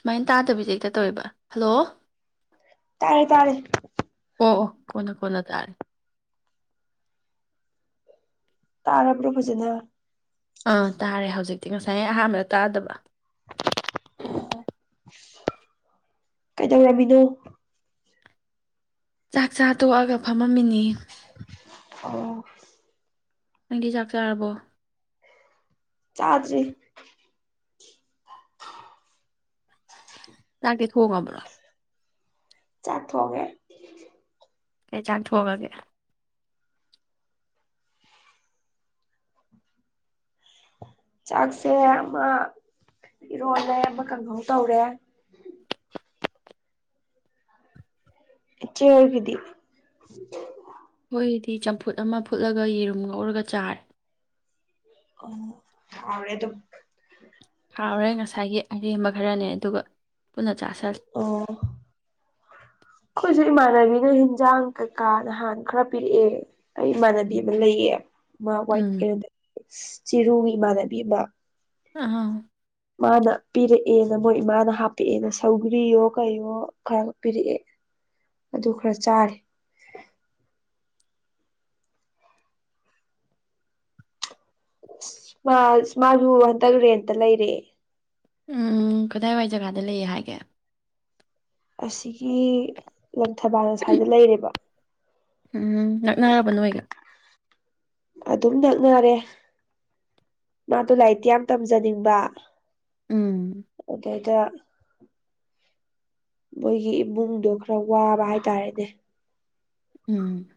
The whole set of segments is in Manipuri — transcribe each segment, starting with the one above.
ꯁꯨꯃꯥꯏꯅ ꯇꯥꯗꯕꯤꯗꯦ ꯍꯦꯛꯇ ꯇꯧꯋꯦꯕ ꯍꯜꯂꯣ ꯇꯥꯔꯦ ꯇꯥꯔꯦ ꯑꯣ ꯑꯣ ꯀꯅ ꯀꯅ ꯇꯥꯔꯦ ꯇꯥꯔꯥ ꯕꯣ ꯐꯖꯅ ꯑꯥ ꯇꯥꯔꯦ ꯍꯧꯖꯤꯛ ꯉꯁꯥꯏ ꯑꯍꯥꯟꯕꯗ ꯇꯥꯗꯕ ꯀꯩꯗꯧꯔꯝꯃꯤꯅꯣ ꯆꯥꯛ ꯆꯥ ꯇꯣꯛꯑꯒ ꯐꯝꯃꯝꯃꯤꯅꯤ ꯑꯣ ꯅꯪꯗꯤ ꯆꯥꯛ ꯆꯥꯔꯕꯣ ꯆꯥꯗꯔꯤ ꯇ ꯀꯊꯣꯛꯒꯕꯥ ꯆꯥꯊꯣ ꯆꯥ ꯊꯣꯛꯑꯒ ꯆꯥꯛꯁꯦ ꯑꯃ ꯏꯔꯣꯜꯂꯦ ꯑꯃ ꯀꯥꯡꯪꯈꯧ ꯇꯧꯔꯦ ꯆꯦꯒꯤꯗꯤ ꯑꯩꯈꯣꯏꯗꯤ ꯆꯝꯐꯨꯠ ꯑꯃ ꯐꯨꯠꯂꯒ ꯌꯦꯔꯨꯝ ꯂꯧꯔꯒ ꯆꯥꯔꯦ ꯑ ꯑꯔꯦꯗꯨ ꯍꯥꯎꯔꯦ ꯉꯁꯥꯏꯒꯤ ꯑꯔꯦꯝꯕ ꯈꯔꯅꯦ ꯑꯗꯨꯒ ꯄꯨꯟꯅ ꯆꯥꯁꯜꯂꯦ ꯑꯣ ꯈꯨꯁ ꯏꯃꯥꯟꯅꯕꯤꯅ ꯍꯦꯟꯖꯥꯡ ꯀꯩꯀꯥ ꯅꯍꯥꯟ ꯈꯔ ꯄꯤꯔꯛꯑꯦ ꯑꯩ ꯏꯃꯥꯟꯅꯕꯤ ꯑꯃ ꯂꯩꯌꯦ ꯃꯥ ꯋꯥꯏ ꯎꯝ ꯀꯗꯦ ꯆꯤꯔꯨ ꯏꯃꯥꯟꯅꯕꯤ ꯑꯃ ꯑ ꯃꯥꯅ ꯄꯤꯔꯛꯑꯦꯅ ꯃꯣꯏ ꯏꯃꯥꯅ ꯍꯥꯞꯄꯛꯑꯦꯅ ꯁꯧꯒ꯭ꯔꯤꯌꯣ ꯀꯌꯣ ꯈꯔ ꯄꯤꯔꯛꯑꯦ ꯑꯗꯨ ꯈꯔ ꯆꯥꯔꯦ [unintelligible] ꯃꯥ ꯃꯥ ꯇꯛ ꯔꯦꯟꯇ ꯂꯩꯔꯦꯦ ꯎꯝ ꯀꯗꯥꯏꯋꯥꯏ ꯖꯒꯥꯗ ꯂꯩꯌꯦ ꯍꯥꯏꯒꯦ ꯑꯁꯤꯒꯤ ꯂꯪꯊꯕꯥꯜ ꯁꯁ꯭ꯋꯥꯏꯗ ꯂꯩꯔꯦꯕ ꯎꯝ ꯉꯛꯅꯔꯕ ꯅꯣꯏꯒ ꯑꯗꯨꯝ ꯅꯛꯅꯔꯦ ꯃꯥꯗꯣ ꯂꯥꯏꯔꯤꯇꯤ ꯌꯥꯝ ꯇꯝꯖꯅꯤꯡꯕ ꯎꯝ ꯑꯗꯨꯗꯗ ꯃꯣꯏꯒꯤ ꯏꯃꯨꯡꯗꯣ ꯈꯔ ꯋꯥꯕ ꯍꯥꯏꯇꯥꯔꯦꯅꯦ ꯎꯝ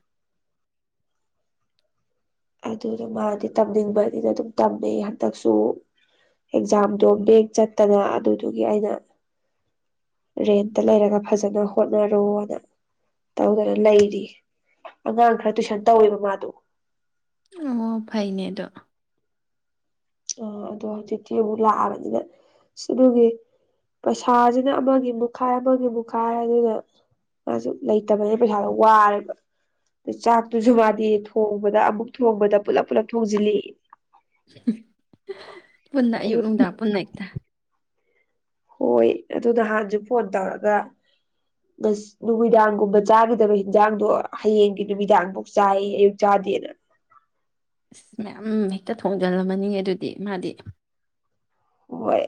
ꯑꯗꯨꯗ ꯃꯥꯗꯤ ꯇꯝꯅꯤꯡꯕꯅꯤꯅ ꯑꯗꯨꯝ ꯇꯝꯃꯦ ꯍꯟꯗꯛꯁꯨ ꯑꯦꯛꯖꯥꯝꯗꯣ ꯕꯦꯡ ꯆꯠꯇꯅ ꯑꯗꯨꯗꯨꯒꯤ ꯑꯩꯅ ꯔꯦꯟꯇ ꯂꯩꯔꯒ ꯐꯖꯅ ꯍꯣꯠ ꯃꯔꯔꯣ ꯑꯗ ꯇꯧꯗꯅ ꯂꯩꯔꯤ ꯑꯉꯥꯡ ꯈꯔ ꯇꯨꯏꯁꯟ ꯇꯧꯋꯦꯕ ꯃꯥꯗꯣ ꯑꯣ ꯐꯩꯅꯦꯗꯣ ꯑ ꯑꯗꯣ ꯍꯧꯖꯤꯛꯇꯤ ꯑꯃꯨꯛ ꯂꯥꯛꯑꯕꯅꯤꯅ ꯁꯤꯗꯨꯒꯤ ꯄꯩꯁꯥꯁꯤꯅ ꯑꯃꯒꯤ ꯃꯨꯛꯈꯥꯏ ꯑꯃꯒꯤ ꯃꯨꯛꯈꯥꯏ ꯑꯗꯨꯅ ꯃꯥꯁꯨ ꯂꯩꯇꯕꯅꯤꯅ ꯄꯩꯁꯥꯗꯣ ꯋꯥꯔꯦꯕ ꯆꯥꯛꯇꯨꯁꯨ ꯃꯥꯗꯦ ꯊꯣꯡꯕꯗ ꯑꯃꯨꯛ ꯊꯣꯡꯕꯗ ꯄꯨꯜꯂꯞ ꯄꯨꯜꯂꯞ ꯊꯣꯡꯖꯤꯜꯂꯤ ꯎ ꯄꯨꯟꯅ ꯑꯩ ꯑꯌꯨꯛ ꯅꯨꯡꯗꯥꯡ ꯄꯨꯟꯅ ꯑꯛꯇ ꯍꯣꯏ ꯑꯗꯨ ꯅꯍꯥꯟꯁꯨ ꯐꯣꯟ ꯇꯧꯔꯒ ꯉ ꯅꯨꯃꯤꯗꯥꯡꯒꯨꯝꯕ ꯆꯥꯈꯤꯗꯕ ꯍꯤꯟꯖꯥꯡꯗꯣ ꯍꯌꯦꯡꯒꯤ ꯅꯨꯃꯤꯗꯥꯡꯐꯧ ꯆꯥꯏ ꯑꯌꯨꯛ ꯆꯥꯗꯦꯅ ꯑꯁ ꯃꯌꯥꯝ ꯍꯦꯛꯇ ꯊꯣꯡꯖꯤꯜꯂꯝꯃꯅꯤꯡꯉꯦ ꯑꯗꯨꯗꯤ ꯃꯥꯗꯤ ꯍꯣꯏ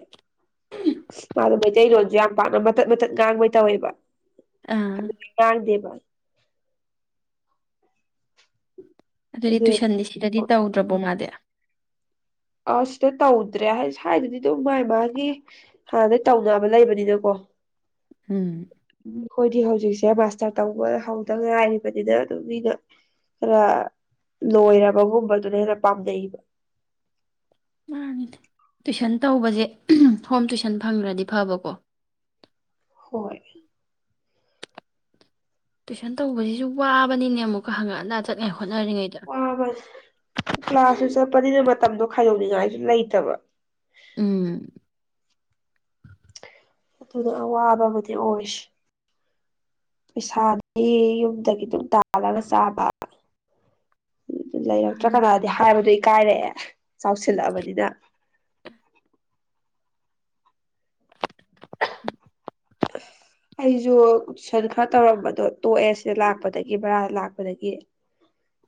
ꯃꯥꯗꯣ ꯃꯩꯇꯩꯂꯣꯟꯁꯨ ꯌꯥꯝ ꯄꯥꯝꯅ ꯃꯇꯠ ꯃꯇꯠ ꯉꯥꯡꯕꯩ ꯇꯧꯋꯦꯕ ꯑꯥ ꯇ ꯗꯦꯕ ꯑꯗꯨꯗꯤ ꯑꯗꯨ ꯇꯨꯏꯁꯟꯗꯤ ꯁꯤꯗꯗꯤ ꯇꯧꯗ꯭ꯔꯕꯣ ꯃꯥꯗꯤꯦ ꯑ ꯁꯤꯗ ꯇꯧꯗ꯭ꯔꯦ ꯍꯥꯏꯗꯤ ꯁ꯭ꯋꯥꯏꯗꯗꯤ ꯑꯗꯨꯝ ꯃꯥꯏ ꯃꯥꯒꯤ ꯍꯥꯟꯅꯗꯩ ꯇꯧꯅꯕ ꯂꯩꯕꯅꯤꯅꯀꯣ ꯎꯝ ꯎꯝ ꯑꯩꯈꯣꯏꯗꯤ ꯍꯧꯖꯤꯛꯁꯦ ꯃꯥꯁꯇꯔ ꯇꯧꯕ ꯍꯧꯗ ꯉꯥꯏꯔꯤꯕꯅꯤꯅ ꯑꯗꯨꯝ ꯃꯤꯅ ꯈꯔ ꯂꯣꯏꯔꯕꯒꯨꯝꯕꯗꯨꯅ ꯍꯦꯟꯅ ꯄꯥꯝꯅꯩꯌꯦꯕ ꯃꯥ ꯇꯨꯏꯁꯟ ꯇꯧꯕꯁꯦ ꯍꯣꯝ ꯇꯨꯏꯁꯟ ꯐꯪꯈ꯭ꯔꯗꯤ ꯐꯕꯀꯣ ꯍꯣꯏ ꯇꯨꯏꯁꯟ ꯇꯧꯕꯁꯤꯁꯨ ꯋꯥꯕꯅꯤꯅꯦ ꯑꯃꯨꯛꯀ ꯍꯪꯉꯠꯑꯒ ꯆꯠꯂꯦ ꯑꯁ ꯀ ꯀ꯭ꯂꯥꯁ ꯄꯅꯦ ꯃꯇꯝꯗꯣ ꯈꯥꯏꯗꯣꯛꯅꯤꯡꯉꯥꯏꯁꯨ ꯂꯩꯇꯕ ꯎ ꯎꯝ ꯑꯗꯨꯗ ꯋꯥꯕꯕꯨ ꯑꯣꯏꯁ ꯄꯩꯁꯥꯗꯤ ꯌꯨꯝꯗꯒꯤ ꯑꯗꯨꯝ ꯇꯥꯜꯂꯒ ꯆꯥꯕ ꯂꯩꯔꯛꯇ꯭ꯔꯥ ꯃꯥꯅꯤ ꯀꯅꯥꯗꯤ ꯍꯥꯏꯕꯗꯨ ꯀꯔꯦ ꯆꯥꯎꯁꯤꯜꯂꯛꯑꯕꯅꯤꯗ ꯑꯩꯁꯨ ꯇꯨꯏꯁꯟ ꯈꯔ ꯇꯧꯔꯝꯕꯗꯣ ꯇꯣꯛꯑꯦ ꯁꯤꯗ ꯂꯥꯛꯄꯗꯒꯤ ꯕꯔꯥꯗ ꯂꯥꯛꯄꯗꯒꯤ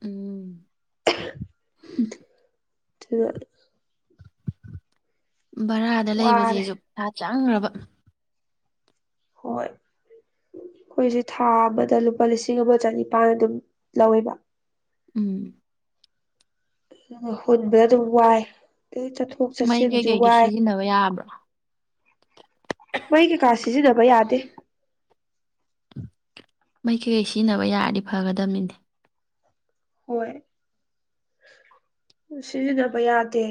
ꯎꯝ [unintelligible] ꯆ ꯚꯔꯥꯗ ꯋꯥꯔꯦ ꯂꯩꯕꯕꯁꯤꯁꯨ ꯐꯥ ꯆꯥꯡꯈꯕ ꯍꯣꯏ ꯑꯩꯈꯣꯏꯁꯦ ꯊꯥ ꯑꯃꯗ ꯂꯨꯄꯥ ꯂꯤꯁꯤꯡ ꯑꯃ ꯆꯅꯤꯄꯥꯥꯟ ꯑꯗꯨꯝ ꯂꯧꯋꯦꯕ ꯎꯝ ꯍꯨꯟꯕꯗ ꯑꯗꯨꯝ ꯋꯥꯏ ꯑꯩꯇꯩ ꯆꯠꯊꯣꯛ ꯃꯩ ꯆꯠꯁꯤꯟ ꯀꯩꯀꯩꯗꯤ ꯖꯨꯋꯥꯏ ꯁꯤꯖꯤꯟꯅꯕ ꯌꯥꯕ꯭ꯔꯣ ꯃꯩ ꯀꯩꯀꯥꯁꯤꯁꯨ ꯅꯕ ꯌꯥꯗꯦ ꯃꯩꯀꯩꯀꯩ ꯁꯤꯖꯤꯟꯅꯕ ꯌꯥꯔꯗꯤ ꯐꯒꯗꯃꯤꯅꯤ ꯍꯣꯏ ꯁꯤꯖꯤꯟꯅꯕ ꯌꯥꯗꯦ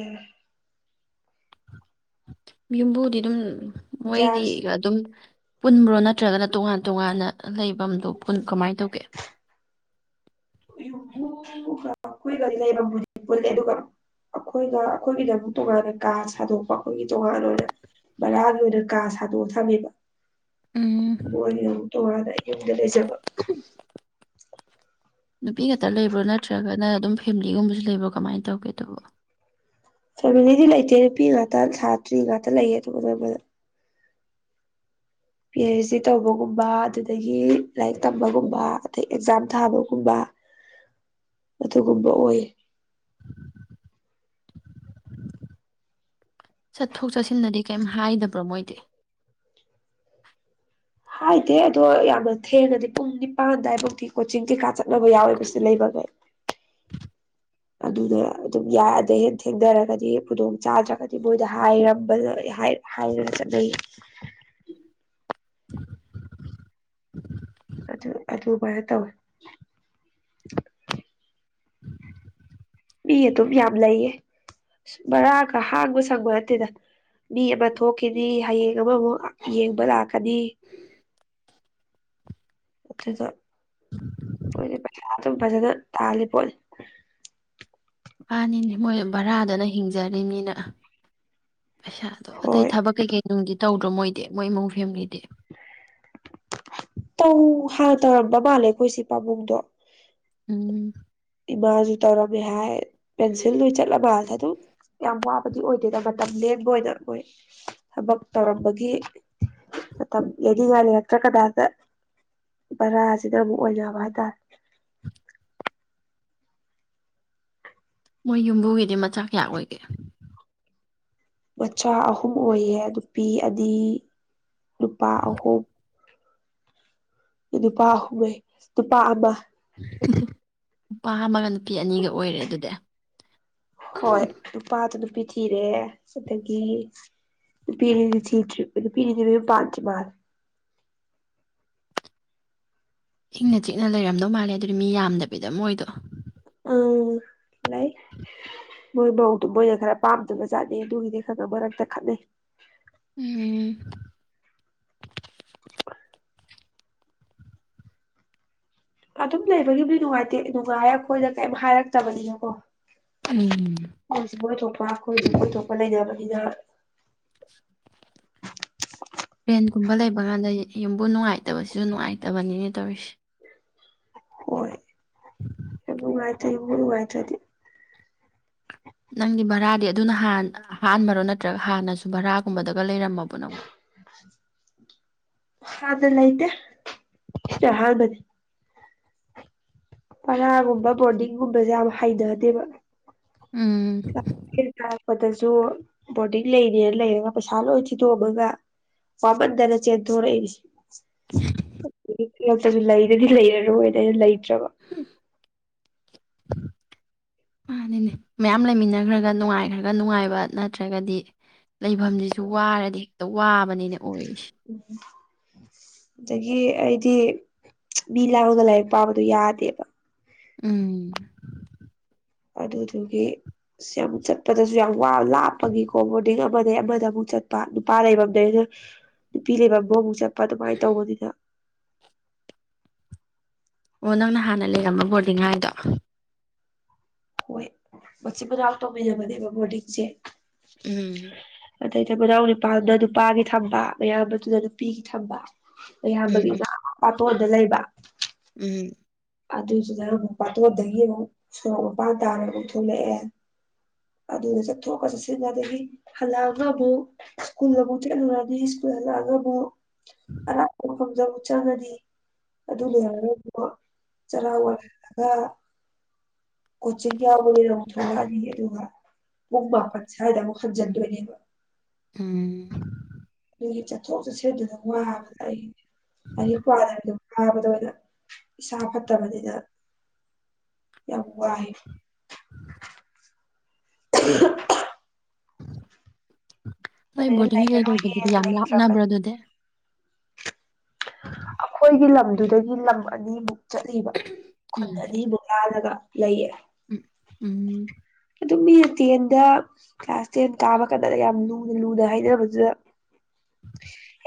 ꯌꯨꯝꯕꯨꯗꯤ ꯑꯗꯨꯝ ꯃꯣꯏꯒꯤ ꯒ꯭ꯌꯥꯁ ꯑꯗꯨꯝ ꯄꯨꯟꯕ꯭ꯔꯣ ꯅꯠꯇ꯭ꯔꯒꯅ ꯇꯣꯉꯥꯟ ꯇꯣꯉꯥꯟꯅ ꯂꯩꯐꯝꯗꯣ ꯀꯃꯥꯏꯅ ꯇꯧꯒꯦ ꯎ ꯎ ꯑꯩꯈꯣꯏꯒꯗꯤ ꯂꯩꯕꯗꯤ ꯄꯨꯜꯂꯦ ꯑꯗꯨꯒ ꯑꯩꯈꯣꯏꯒ ꯑꯩꯈꯣꯏꯒꯤꯗ ꯑꯃꯨꯛ ꯇꯣꯉꯥꯟꯅ ꯀꯥ ꯁꯥꯗꯣꯛꯄ ꯑꯩꯈꯣꯏꯒꯤ ꯇꯣꯉꯥꯟꯅ ꯑꯣꯏꯅ ꯚꯔꯥꯒꯤ ꯑꯣꯏꯅ ꯀꯥ ꯁꯥꯗꯣꯛꯑ ꯊꯝꯃꯦꯕ ꯎꯝ [unintelligible] ꯇꯔꯗ ꯂꯩ ꯆꯕ ꯅꯨꯄꯤ ꯈꯛꯇ ꯂꯩꯕ꯭ꯔꯣ ꯅꯠꯇ꯭ꯔꯒꯅ ꯑꯗꯨꯝ ꯐꯦꯃꯤꯂꯤꯒꯨꯝꯕꯁꯤꯁꯨ ꯂꯩꯕꯣ ꯀꯃꯥꯏꯅ ꯇꯧꯒꯦ ꯑꯗꯨꯕ ꯐꯦꯃꯤꯂꯤꯗꯤ ꯂꯩꯇꯦ ꯅꯨꯄꯤ ꯉꯥꯛꯇ ꯁꯥꯇ꯭ꯔꯤ ꯉꯥꯛꯇ ꯂꯩꯌꯦ ꯑꯗꯨꯒꯗ ꯄꯤ ꯑꯩꯩꯆ ꯗꯤ ꯇꯧꯕꯒꯨꯝꯕ ꯑꯗꯨꯗꯒꯤ ꯂꯥꯏꯔꯤꯛ ꯇꯝꯕꯒꯨꯝꯕ ꯑꯗꯩ ꯑꯦꯛꯖꯥꯝ ꯊꯥꯕꯒꯨꯝꯕ ꯑꯗꯨꯒꯨꯝꯕ ꯑꯣꯏ ꯆꯠꯊꯣꯛ ꯆꯠꯁꯤꯟꯗꯗꯤ ꯀꯩꯝ ꯍꯥꯏꯗꯕ꯭ꯔꯣ ꯃꯣꯏꯗꯤ ꯍꯥꯏꯗꯦ ꯑꯗꯣ ꯌꯥꯝꯅ ꯊꯦꯡꯉꯗꯤ ꯄꯨꯡ ꯅꯤꯄꯥꯟꯗꯋꯥꯏꯐꯥꯎꯗꯤꯤ ꯀꯣꯆꯤꯡ ꯀꯩꯀꯥ ꯆꯠꯅꯕ ꯌꯥꯎꯋꯦꯕꯁꯤ ꯂꯩꯕꯒꯩ ꯑꯗꯨꯅ ꯑꯗꯨꯝ ꯌꯥꯗꯩ ꯍꯦ ꯊꯦꯡꯅꯔꯒꯗꯤ ꯈꯨꯗꯣꯡ ꯆꯥꯗ꯭ꯔꯒꯗꯤ ꯃꯣꯏꯗ ꯍꯥꯏꯔꯝꯕ ꯍꯥꯏꯔꯒ ꯆꯠꯅꯩꯌꯦ ꯑ ꯑꯗꯚꯥꯏ ꯇꯥꯎ ꯃꯤ ꯑꯗꯨꯝ ꯌꯥꯝ ꯂꯩꯌꯦ ꯕꯔꯥꯒ ꯍꯥꯡꯕ ꯁꯪꯕ ꯅꯠꯇꯦꯗ ꯃꯤ ꯑꯃ ꯊꯣꯛꯈꯤꯅꯤ ꯍꯌꯦꯡ ꯑꯃꯃꯨꯛ ꯌꯦꯡꯕ ꯂꯥꯛꯀꯅꯤ ꯑꯗꯨꯗ ꯄꯩꯁꯥ ꯑꯗꯨꯝ ꯐꯖꯥꯗ ꯇꯥꯜꯂꯤꯦ ꯄꯣꯠꯂ ꯐꯥꯅꯤꯅꯦ ꯃꯣꯏ ꯚꯔꯥꯗꯅ ꯍꯤꯡꯖꯔꯤꯅꯤꯅ ꯄꯩꯁꯥꯗꯣ ꯑꯇꯩ ꯍꯣꯏ ꯊꯕꯛ ꯀꯩꯀꯩ ꯅꯨꯡꯒꯤ ꯇꯧꯗ꯭ꯔꯣ ꯃꯣꯏꯗꯤ ꯃꯣꯏ ꯏꯃꯨꯡ ꯐꯦꯃꯤꯂꯤꯗꯤ ꯇꯧ ꯍꯥꯟꯅ ꯇꯧꯔꯝꯕ ꯃꯥꯜꯂꯦ ꯑꯩꯈꯣꯏꯁꯤ ꯄꯥꯕꯨꯡꯗꯣ ꯎꯝ ꯏꯃꯥꯁꯨ ꯇꯧꯔꯝꯃꯦ ꯍꯥꯏ ꯄꯦꯟꯁꯤꯜꯗ ꯆꯠꯂꯝꯕꯗꯦ ꯑꯗꯨꯝ ꯌꯥꯝ ꯋꯥꯕꯗꯤ ꯑꯣꯏꯗꯦꯗ ꯃꯇꯝ ꯂꯦꯡꯕ ꯑꯣꯏꯅ ꯃꯣꯏ ꯊꯕꯛ ꯇꯧꯔꯝꯕꯒꯤ ꯃꯇꯝ ꯂꯅꯤꯡꯉꯥꯏ ꯂꯩꯔꯛꯇ꯭ꯔ ꯀꯗꯥꯏꯗ ꯚꯔꯥꯁꯤꯗ ꯑꯃꯨꯛ ꯑꯣꯏꯅꯕ ꯍꯥꯏꯇꯥꯔꯦ ꯃꯣꯏ ꯌꯨꯝꯕꯨꯒꯤꯗꯤ ꯃꯆꯥ ꯀꯌꯥ ꯑꯣꯏꯒꯦ ꯃꯆꯥ ꯑꯍꯨꯝ ꯑꯣꯏꯌꯦ ꯅꯨꯄꯤ ꯑꯅꯤ ꯅꯨꯄꯥ ꯑꯍꯨꯝ ꯅꯨꯄꯥ ꯑꯨꯝꯍꯩ ꯅꯨꯄꯥ ꯑꯃ ꯅꯨꯄꯥ ꯑꯃꯒ ꯅꯨꯄꯤ ꯑꯅꯤꯒ ꯑꯣꯏꯔꯦ ꯑꯗꯨꯗꯤ ꯍꯣꯏ ꯅꯨꯄꯥ ꯅꯨꯄꯤ ꯆꯖꯤꯔꯦ ꯑꯗꯨꯗꯒꯤ ꯄꯤꯅꯤ ꯆꯤ ꯄꯤꯅꯤ ꯄꯥꯟ ꯆ ꯃꯥꯜ ꯏꯪꯅ ꯆꯤꯛꯅ ꯂꯩꯔꯝꯗꯧ ꯃꯥꯜꯂꯦ ꯑꯗꯨꯗꯤ ꯃꯤ ꯌꯥꯝꯗꯕꯤꯗꯝ ꯑꯣꯏꯗꯣ ꯎꯝ ꯂꯩ ꯃꯣꯏ ꯃꯧꯗ ꯃꯣꯏꯅ ꯈꯔ ꯄꯥꯝꯗꯨꯅ ꯆꯥꯠꯅꯩ ꯑꯗꯨꯒꯤꯗꯤ ꯈꯔ ꯃꯔꯛꯇ ꯈꯠꯅꯩ ꯎꯝ ꯑꯗꯨꯝ ꯂꯩꯕꯒꯤꯕꯨꯗꯤ ꯅꯨꯡꯉꯥꯏꯇꯦ ꯅꯨꯡꯉꯥꯏꯔ ꯑꯩꯈꯣꯏꯗ ꯀꯩꯝ ꯍꯥꯏꯔꯛꯇꯕꯅꯤꯅꯀꯣ ꯎꯝ ꯑꯩꯣꯏꯁꯨ ꯀꯣꯏꯊꯣꯛꯄ ꯑꯩꯈꯣꯏꯁꯨ ꯀꯣꯏꯊꯣꯛꯄ ꯂꯩꯅꯕꯅꯤꯅ ꯇ꯭ꯔꯦꯟꯒꯨꯝꯕ ꯂꯩꯕ ꯀꯥꯟꯗ ꯌꯨꯝꯕꯨ ꯅꯨꯡꯉꯥꯏꯇꯕꯁꯤꯁꯨ ꯅꯨꯡꯉꯥꯏꯇꯕꯅꯤꯅ ꯇꯧꯔꯤꯁꯦ ꯍꯣꯏ [unintelligible] ꯋꯥꯏꯆꯗꯤ ꯅꯪꯗꯤ ꯚꯔꯥꯗꯤ ꯑꯗꯨꯅꯥꯟ ꯍꯥꯟꯕꯔꯣ ꯅꯠꯇ꯭ꯔꯒ ꯍꯥꯟꯅꯁꯨ ꯚꯔꯥꯒꯨꯝꯕꯗꯒ ꯂꯩꯔꯝꯃꯕ ꯅꯪ ꯑꯅꯥꯏꯇ ꯏ ꯍꯥꯜꯕꯗꯤ ꯄꯔꯥꯒꯨꯝꯕ ꯕꯣꯔꯗꯤꯡꯒꯨꯝꯕꯁꯦ ꯌꯥꯝ ꯍꯩꯊꯗꯦꯕ ꯎꯝ ꯇꯥꯔꯛꯄꯗꯁꯨ ꯕꯣꯔꯗꯤꯡ ꯂꯩꯅꯦꯅ ꯂꯩꯔꯒ ꯄꯩꯁꯥ ꯂꯣꯏ ꯊꯤꯗꯣꯛꯑꯃꯒ ꯋꯥꯃꯟꯗꯅ ꯆꯦꯟꯊꯣꯔꯛꯏꯁꯦ [unintelligible] ꯌꯛꯇꯁꯨ ꯂꯩꯗꯗꯤ ꯂꯩꯔꯔꯣꯏꯗ ꯑꯩꯅ ꯂꯩ ꯆꯕ ꯅꯤꯅꯦ ꯃꯌꯥꯝ ꯂꯩꯃꯤꯟꯅꯈ꯭ꯔꯒ ꯅꯨꯡꯉꯥꯏꯈ꯭ꯔꯒ ꯅꯨꯡꯉꯥꯏꯕ ꯅꯠꯇ꯭ꯔꯒꯗꯤ ꯂꯩꯐꯝꯁꯤꯁꯨ ꯋꯥꯔꯗꯤ ꯋꯥꯕꯅꯤꯅꯦ ꯑꯣꯏꯔꯤꯁꯦ ꯎꯝ ꯑꯗꯒꯤ ꯑꯩꯗꯤ ꯃꯤ ꯂꯥꯎꯔꯒ ꯂꯥꯏꯔꯤꯛ ꯄꯥꯕꯗꯨꯣ ꯌꯥꯗꯦꯕ ꯎꯝ ꯑꯗꯨꯗꯨꯒꯤ ꯌꯥꯝꯨꯛ ꯆꯠꯄꯗꯁꯨ ꯌꯥꯝ ꯋꯥ ꯂꯥꯞꯄꯒꯤ ꯀꯣꯕꯗꯤꯒ ꯑꯃꯗꯒꯤꯩ ꯑꯃꯗ ꯑꯃꯨꯛ ꯆꯠꯄ ꯅꯨꯄꯥ ꯂꯩꯐꯝꯗꯒꯤꯩꯩꯅ ꯅꯨꯄꯤ ꯂꯩꯐꯝꯗꯣ ꯑꯃꯨꯛ ꯆꯠꯄ ꯑꯗꯨꯃꯥꯏꯅ ꯇꯧꯕꯅꯤꯅ ꯑꯣ ꯅꯪꯅ ꯍꯥꯟꯅ ꯂꯩꯔꯝꯕ ꯕꯣꯔꯗꯤꯡ ꯍꯥꯏꯗꯣ ꯍꯣꯏ ꯃꯁꯤ ꯃ ꯂꯥꯛ ꯇꯧꯃꯤꯟꯅꯕꯅꯦꯕ ꯕꯣꯔꯗꯤꯡꯁꯦ ꯎꯝ ꯑꯗꯩꯗ ꯃꯅꯥꯎ ꯅꯨꯅꯤꯄꯥꯅ ꯅꯨꯄꯥꯒꯤ ꯊꯝꯕ ꯃꯌꯥꯝ ꯑꯗꯨꯗ ꯅꯨꯄꯤꯒꯤ ꯊꯝꯕ ꯌꯥꯔꯗ ꯎꯝ ꯀꯣꯗ ꯂꯩꯕ ꯎꯝ ꯑꯗꯨꯗꯨꯗ ꯑꯃꯨꯛ ꯄꯥꯇꯣꯟꯗꯒꯤ ꯑꯃꯨꯛ ꯁꯣꯔꯣꯛ ꯃꯄꯥꯟ ꯇꯥꯔ ꯑꯃꯛ ꯊꯣꯛꯂꯛꯑꯦ ꯑꯗꯨꯗ ꯆꯠꯊꯣꯛꯑ ꯆꯠꯁꯤꯟ ꯑꯗꯒꯤ ꯍꯜꯂꯛꯑꯒꯕꯨ ꯁ꯭ꯀꯨꯜꯗꯕꯨ ꯆꯠꯂꯨꯔꯅꯤ ꯁ꯭ꯀꯨꯜ ꯍꯜꯂꯛꯑꯒꯕꯨ ꯑ ꯐꯖ ꯄꯆꯒꯗꯤ ꯑꯗꯨ ꯂꯩ ꯍꯥꯏꯔꯣ ꯆꯔ ꯋꯥ ꯑ ꯀꯣꯆꯤꯡ ꯌꯥꯌꯥꯕꯅꯤꯅ ꯑꯃ ꯊꯣꯛꯂꯛꯑꯅꯤ ꯑꯗꯨꯒ ꯄꯨꯡ ꯃꯥꯄꯟ ꯁꯥꯏꯗ ꯑꯃ ꯍꯠꯖꯟꯗꯣꯏꯅꯦꯕ ꯎꯝ ꯍ ꯆꯠꯊꯣ ꯆꯨꯁꯦꯠꯇꯨꯗ ꯋꯥꯕꯗ ꯑꯩ ꯑꯩꯒꯤ ꯄ꯭ꯋꯥꯗꯗꯨ ꯋꯥꯕꯗ ꯑꯣꯏꯅ ꯏꯁꯥ ꯐꯠꯇꯕꯅꯤꯗ ꯌꯥꯝꯕꯨꯕ ꯍꯥꯏ ꯎꯝ ꯍꯣꯏ ꯑꯗꯩ ꯕꯣꯔꯗꯤꯡꯒꯩꯀꯩ ꯂꯩꯔꯔꯣꯏꯒꯦ ꯂꯩꯕꯗꯨꯗꯤ ꯌꯥꯝ ꯂꯩꯇ꯭ꯔꯕꯅꯤ ꯂꯥꯞꯅꯕ꯭ꯔꯣ ꯑꯗꯨꯗꯤ ꯑꯩꯈꯣꯏꯒꯤ ꯂꯝ ꯑꯗꯨꯗꯒꯤ ꯂꯝ ꯑꯅꯤꯃꯨꯛ ꯆꯠꯂꯤꯕ ꯈꯨꯜ ꯎꯝ ꯑꯅꯤꯕꯨꯛ ꯂꯥꯜꯂꯒ ꯂꯩꯌꯦ ꯎꯝ ꯎꯝ ꯑꯗꯨꯝ ꯃꯤꯅ ꯇꯦꯟꯗ ꯀ꯭ꯂꯥꯁ ꯇꯦꯟ ꯀꯥꯕ ꯀꯥꯟꯗ ꯌꯥꯝ ꯂꯨꯅ ꯂꯨꯅ ꯍꯥꯏꯅꯕꯗꯨꯗ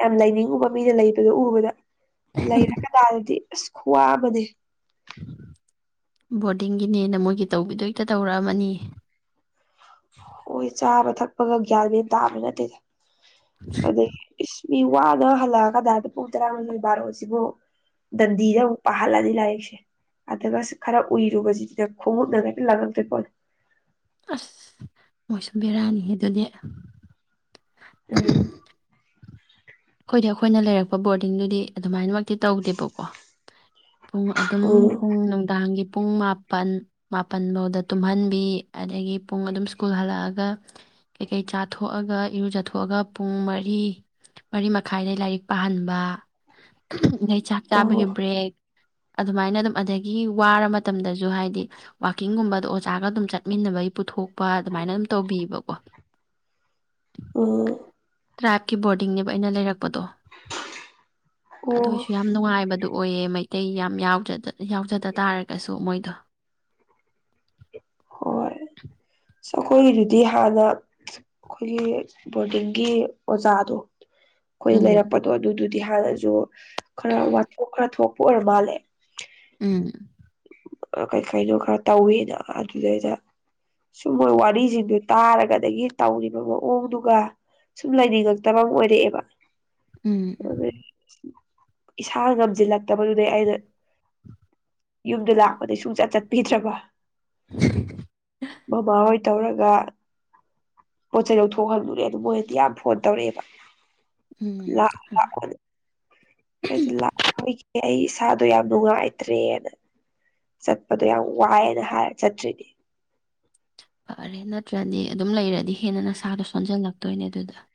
ꯌꯥꯝ ꯂꯩꯅꯤꯡꯉꯨꯕ ꯃꯤꯅ ꯂꯩꯕꯗꯣ ꯎꯕꯗ ꯂꯩꯔꯒ ꯇꯥꯔꯗꯤ ꯁ ꯈ꯭ꯋꯥꯕꯗꯤ ꯕꯣꯔꯗꯤꯡꯒꯤꯅꯦꯅ ꯃꯣꯏꯒꯤ ꯇꯧꯕꯤꯗꯣ ꯍꯦꯛꯇ ꯇꯧꯔꯛꯑꯃꯅꯤ ꯍꯣꯏ ꯆꯥꯕ ꯊꯛꯄꯒ ꯒ꯭ꯌꯥꯟ ꯃꯦꯟ ꯇꯥꯕ ꯅꯠꯇꯦꯗ ꯑꯗ ꯃꯤ ꯋꯥꯗ ꯍꯜꯂꯛꯑꯒꯗꯥꯏꯗ ꯄꯨꯡ ꯇꯔꯥꯃꯥꯊꯣꯏ ꯕꯥꯔꯣꯁꯤꯕꯨ ꯗꯟꯗꯤꯗ ꯄꯍꯔꯂ ꯂꯥꯏꯔꯤꯛꯁꯦ ꯑꯗꯨꯒ ꯈꯔ ꯎꯏꯔꯨꯕꯁꯤꯅ ꯈꯣꯡꯎꯞꯅ ꯍꯥꯏꯦꯛꯇ ꯂꯥꯡꯉꯛꯇꯣꯏꯀꯣ ꯑꯁ ꯃꯣꯏꯁꯨ ꯕꯤꯔꯌꯥꯅꯤ ꯑꯗꯨꯗꯤ ꯎꯝ ꯑꯩꯈꯣꯏꯗꯤ ꯑꯩꯈꯣꯏꯅ ꯂꯩꯔꯛꯄ ꯕꯣꯔꯗꯤꯡꯗꯨꯗꯤ ꯑꯗꯨꯃꯥꯏꯅꯃꯛꯇꯤ ꯇꯧꯗꯦꯕꯀꯣ ꯄꯨꯡ ꯑꯗꯨꯝ ꯎꯝ ꯄꯨꯡ ꯅꯨꯡꯗꯥꯡꯒꯤ ꯄꯨꯡ ꯃꯥꯄꯜ ꯃꯥꯄꯜꯐꯥꯎꯗ ꯇꯨꯝꯍꯟꯕꯤ ꯑꯗꯒꯤ ꯄꯨꯡ ꯑꯗꯨꯝ ꯁ꯭ꯀꯨꯜ ꯍꯜꯂꯛꯑꯒ ꯀꯩꯀꯩ ꯆꯥꯊꯣꯛꯑꯒ ꯏꯔꯨꯖꯊꯣꯛꯑꯒ ꯄꯨꯡ ꯃꯔꯤ ꯃꯔꯤ ꯃꯈꯥꯏꯗꯩ ꯂꯥꯏꯔꯤꯛ ꯄꯥꯍꯟꯕ ꯑꯗꯩ ꯆꯥꯛ ꯑꯣ ꯆꯥꯕꯒꯤ ꯕ꯭ꯔꯦꯛ ꯑꯗꯨꯃꯥꯏꯅ ꯑꯗꯨꯝ ꯑꯗꯒꯤ ꯋꯥꯔ ꯃꯇꯝꯗꯁꯨ ꯍꯥꯏꯗꯤ ꯋꯥꯋꯥꯛꯀꯤꯡꯒꯨꯝꯕꯗ ꯑꯣꯖꯥꯒ ꯑꯗꯨꯝ ꯆꯠꯃꯤꯟꯅꯕꯒꯤ ꯄꯨꯊꯣꯛꯄ ꯑꯗꯨꯃꯥꯏꯅ ꯑꯗꯨꯝ ꯇꯧꯕꯤꯕꯀꯣ ꯑꯣ ꯇ꯭ꯔꯥꯏꯞꯀꯤ ꯕꯣꯔꯗꯤꯡꯅꯦꯕ ꯑꯩꯅ ꯂꯩꯔꯛꯄ ꯗꯣ ꯑꯗꯨ ꯑꯣ ꯑꯣꯏꯁꯨ ꯌꯥꯝ ꯅꯨꯡꯉꯥꯏꯕꯗꯣ ꯑꯣꯏꯌꯦ ꯃꯩ ꯑꯇꯩ ꯌꯥꯝ ꯌꯥꯎꯖꯗ ꯇꯥꯔꯒꯁꯨ ꯃꯣꯏꯗꯣ ꯍꯣꯏ ꯑꯩꯈꯣꯏꯒꯤꯗꯨꯗꯤ ꯍꯥꯟꯅ ꯑꯩꯈꯣꯏꯒꯤ ꯕꯣꯔꯗꯤꯡꯒꯤ ꯑꯣꯖꯥꯗꯣ ꯑꯩꯈꯣꯏ ꯎꯝ ꯂꯩꯔꯛꯄꯗꯣ ꯑꯗꯨꯗꯨ ꯗꯤ ꯍꯥꯟꯅꯁꯨ ꯈꯔ ꯋꯥꯊꯣꯛ ꯈꯔ ꯊꯣꯛꯄ ꯑꯣꯏꯔ ꯃꯥꯜꯂꯦ ꯎꯝ ꯀꯩ ꯀꯩꯅꯣ ꯈꯔ ꯇꯧꯋꯦꯅ ꯑꯗꯨꯗꯩꯗ ꯁꯨꯝ ꯃꯣꯏ ꯋꯥꯔꯤꯁꯤꯡꯗꯨꯣ ꯇꯥꯔꯒꯗꯒꯤ ꯇꯧꯔꯤꯕ ꯃꯑꯣꯡꯗꯨꯒ ꯁꯨꯝ ꯂꯩꯅꯤꯡꯉꯛꯇꯕ ꯑꯃ ꯑꯣꯏꯔꯛꯑꯦꯕ ꯎꯝ ꯑꯗꯨꯗꯩ ꯏꯁꯥ ꯉꯝꯁꯤꯜꯂꯛꯇꯕꯗꯨꯗꯩ ꯑꯩꯅ ꯌꯨꯝꯗ ꯂꯥꯛꯄꯗꯩ ꯁꯨꯡꯆꯠ ꯆꯠ ꯄꯤꯗ꯭ꯔꯕ ꯕꯥꯣꯏ ꯇꯧꯔꯒ ꯑꯣꯠ ꯆꯩꯔꯧꯊꯣꯛꯍꯜꯗꯨꯨꯔꯦ ꯑꯗꯨ ꯃꯣꯏꯗꯤ ꯌꯥꯝ ꯐꯣꯟ ꯇꯧꯔꯛꯑꯦꯕ ꯎꯝ ꯑꯩ ꯂ ꯑꯩ ꯏꯁꯥꯗꯣ ꯌꯥꯝ ꯅꯨꯡꯉꯥꯏꯇ꯭ꯔꯦꯅ ꯆꯠꯄꯗꯣ ꯌꯥꯝ ꯋꯥꯏꯑꯅ ꯍꯥꯏ ꯆꯠꯇ꯭ꯔꯤꯅꯦ ꯐꯔꯦ ꯅꯠꯇ꯭ꯔꯗꯤ ꯑꯗꯨꯝ ꯂꯩꯔꯗꯤ ꯍꯦꯟꯅ ꯅꯁꯥꯗꯣ ꯁꯣꯟꯖꯜꯂꯛꯇꯣꯏꯅꯦ ꯑꯗꯨꯗ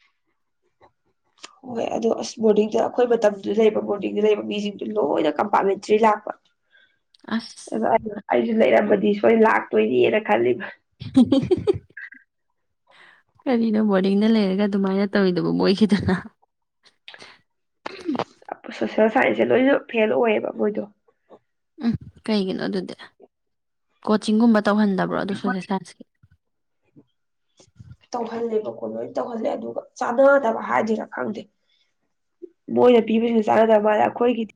ꯍꯣꯏ ꯑꯗꯣ ꯑꯁ ꯕꯣꯔꯗꯤꯡꯗ ꯑꯩꯈꯣꯏ ꯃꯇꯝꯗꯨꯗ ꯂꯩꯕ ꯕꯣꯔꯗꯤꯡꯗꯨꯗ ꯂꯩꯕ ꯃꯤꯁꯤꯡꯗꯨ ꯂꯣꯏꯅ ꯀꯝꯄꯥꯔꯠꯃꯦꯟꯇꯔꯤ ꯂꯥꯛꯄ ꯑꯁ [unintelligible] ꯑꯩꯁꯨ ꯂꯩꯔꯝꯕꯗꯤ ꯁꯣꯏ ꯂꯥꯛꯇꯣꯏꯔꯤꯅ ꯈꯜꯂꯤꯕ [unintelligible] ꯀꯔꯤꯅꯣ ꯕꯣꯔꯗꯤꯡꯗ ꯂꯩꯔꯒ ꯑꯗꯨꯃꯥꯏꯅ ꯇꯧꯋꯤꯗꯕ ꯃꯣꯏꯈꯤꯗꯅ ꯁꯣꯁꯦꯜ ꯁꯥꯏꯟꯁꯁꯦ ꯂꯣꯏꯅ ꯐꯦꯜ ꯑꯣꯏꯌꯦꯕ ꯃꯣꯏꯗꯣ ꯎꯝ ꯀꯩꯒꯤꯅꯣ ꯑꯗꯨꯗꯤ ꯀꯣꯆꯤꯡꯒꯨꯝꯕ ꯇꯧꯍꯟꯗꯕ꯭ꯔꯣ ꯑꯗꯨꯁꯨꯅꯦ ꯁꯥꯏꯟꯁꯀꯤ ꯇꯧꯍꯜꯂꯦꯕꯀꯣ ꯂꯣꯏ ꯇꯧꯍꯜꯂꯦ ꯑꯗꯨꯒ ꯆꯥꯟꯅꯗꯕ ꯍꯥꯏꯁꯤꯅ ꯈꯪꯗꯦ ꯃꯣꯏꯅ ꯄꯤꯕꯕꯁꯤꯁꯨ ꯆꯥꯟꯅꯗꯕ ꯃꯥꯗꯦ ꯑꯩꯈꯣꯏꯒꯤꯗꯤ